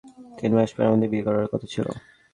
তিন মাস পর আমাদের বিয়ে করার কথা ছিল।